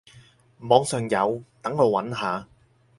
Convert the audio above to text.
網上有，等我揾下